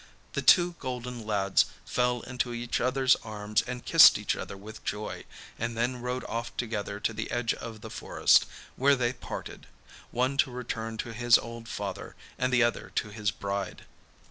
The two golden lads fell into each other's arms and kissed each other with joy, and then rode off together to the edge of the forest, where they parted, one to return to his old father, and the other to his bride.